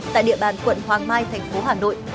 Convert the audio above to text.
tại địa bàn quận hoàng mai thành phố hà nội